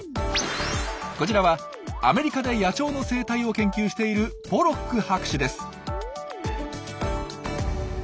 こちらはアメリカで野鳥の生態を研究しているポロック博士です。